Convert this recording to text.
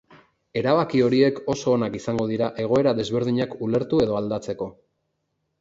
Erabaki horiek oso onak izango dira egoera desberdinak ulertu edo aldatzeko.